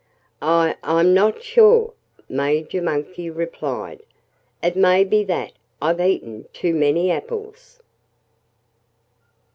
"I I'm not sure," Major Monkey replied. "It may be that I've eaten too many apples."